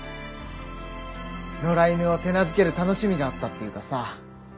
野良犬を手なずける楽しみがあったっていうかさ。